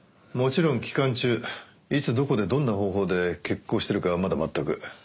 もちろん期間中いつどこでどんな方法で決行するかはまだ全く。